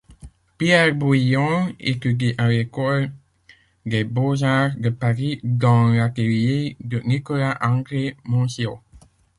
Pierre Bouillon étudie à l'École des beaux-arts de Paris dans l’atelier de Nicolas-André Monsiau.